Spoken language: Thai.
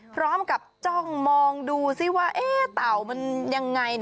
พร้อมกับจ้องมองดูซิว่าเต่ามันยังไง